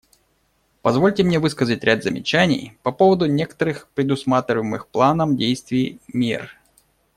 Позвольте мне высказать ряд замечаний по поводу некоторых предусматриваемых планом действий мер.